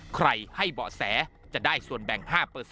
ให้เบาะแสจะได้ส่วนแบ่ง๕